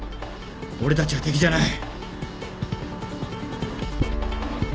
俺たちは敵じゃない。